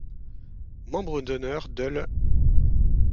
Membre d'Honneur de l'.